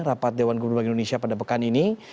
rapat dewan gubernur bank indonesia pada pekan ini